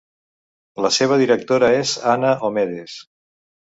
La seva directora és Anna Omedes.